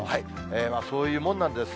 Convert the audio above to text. そういうものなんです。